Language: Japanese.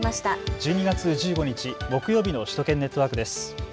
１２月１５日、木曜日の首都圏ネットワークです。